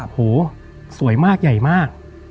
โหสวยมากใหญ่มาก